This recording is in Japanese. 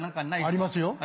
ありますよ。